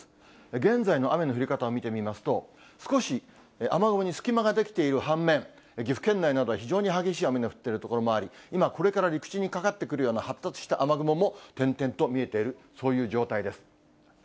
現在の雨の降り方を見てみますと、少し雨雲に隙間が出来ている反面、岐阜県内などは非常に激しい雨の降っている所もあり、今、これから陸地にかかってくるような発達した雨雲も点々と見えている、そういう状態です。